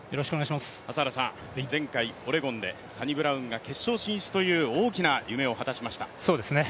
前回オレゴンでサニブラウンが決勝進出という大きな夢を果たしました。